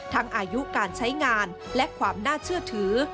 อายุการใช้งานและความน่าเชื่อถือ